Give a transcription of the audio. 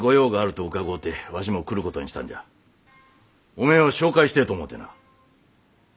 おめえを紹介してえと思うてな。